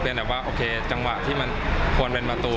แต่ว่าจังหวะที่มันควรเป็นมาตรู